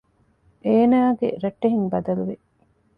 އޭނާގެ ރައްޓެހިން ބަދަލުވި